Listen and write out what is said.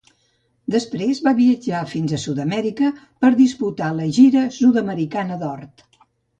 Després va viatjar fins a Sud-amèrica per a disputar la gira sud-americana d'Or.